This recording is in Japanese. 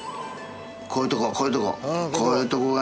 こういうとここういうとここういうとこが